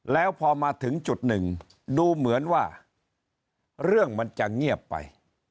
แล้วพอมาถึงจุดหนึ่งดูเหมือนว่าเรื่องมันจะเงียบไป